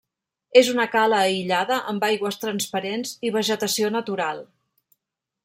És una cala aïllada amb aigües transparents i vegetació natural.